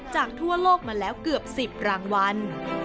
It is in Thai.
จากทั่วโลกมาแล้วเกือบ๑๐รางวัล